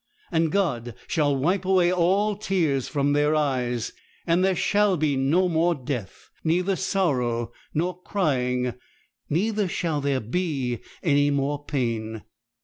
And God shall wipe away all tears from their eyes; and there shall be no more death, neither sorrow, nor crying, neither shall there be any more pain."